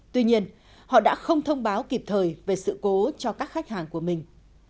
tuy nhiên họ đã không thông báo kịp thời về sự cố cho các khách hàng của mình